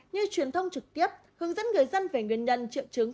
như truyền thông trực tiếp hướng dẫn người dân về nguyên nhân triệu chứng